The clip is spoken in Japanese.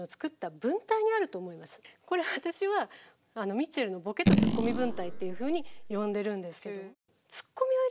これ私はミッチェルのボケとツッコミ文体というふうに呼んでるんです。